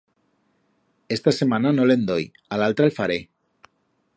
Esta semana no le'n doi, a l'altra el faré.